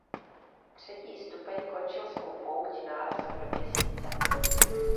Třetí stupeň končil svou pouť nárazem do Měsíce.